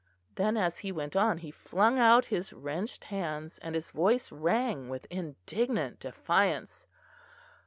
Then, as he went on, he flung out his wrenched hands, and his voice rang with indignant defiance.